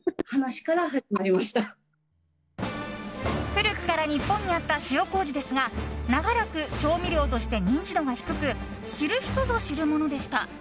古くから日本にあった塩麹ですが長らく調味料として認知度が低く知る人ぞ知るものでした。